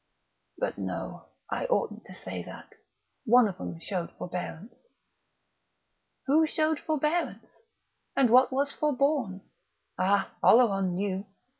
But no; I oughtn't to say that; one of 'em showed forbearance...." Who showed forbearance? And what was forborne? Ah, Oleron knew!...